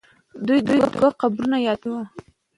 دوی دوه قبرونه یاد کړي وو.